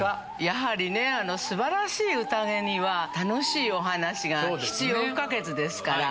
やはり素晴らしい宴には楽しいお話が必要不可欠ですから。